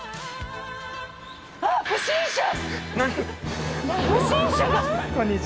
あっ、不審者！